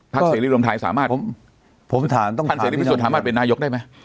เสรีรวมไทยสามารถท่านเสรีพิสุทธิสามารถเป็นนายกได้ไหม